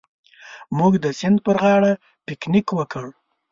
موږ د سیند پر غاړه پکنیک وکړ.